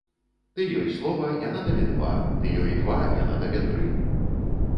Ты ёй слова, яна табе два, ты ёй два, яна табе тры.